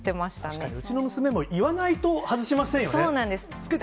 確かに、うちの娘も言わないと外しませんよね。